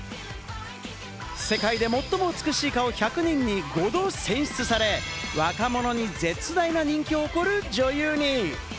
「世界で最も美しい顔１００人」に５度選出され、若者に絶大な人気を誇る女優に。